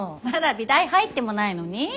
まだ美大入ってもないのに？